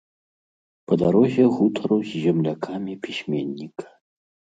Па дарозе гутару з землякамі пісьменніка.